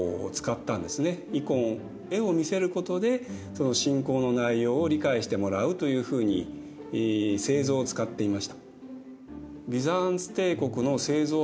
絵を見せることで信仰の内容を理解してもらうというふうに聖像を使っていました。